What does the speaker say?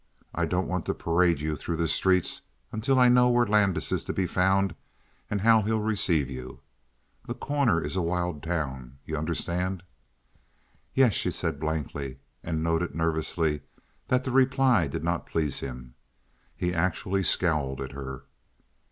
I don't want to parade you through the streets until I know where Landis is to be found and how he'll receive you. The Corner is a wild town; you understand?" "Yes," she said blankly, and noted nervously that the reply did not please him. He actually scowled at her.